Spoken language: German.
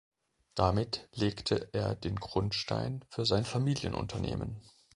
Damit legte er den Grundstein für sein Familienunternehmen.